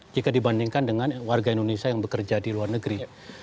jika dibandingkan dengan warga indonesia yang bekerja di luar negeri